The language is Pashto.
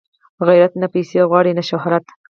غیرت نه پیسې غواړي نه شهرت